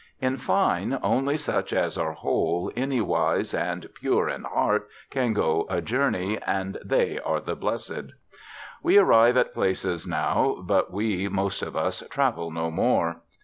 In fine, only such as are whole anywise and pure in heart can go a journey, and they are the blessed. "We arrive at places now, but we" (most of us) "travel no more."